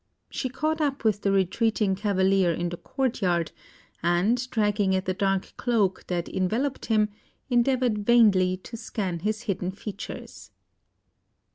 She caught up with the retreating cavalier in the courtyard, and dragging at the dark cloak that enveloped him, endeavoured vainly to scan his hidden features.